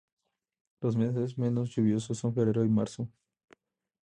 Los meses menos lluviosos son febrero y marzo.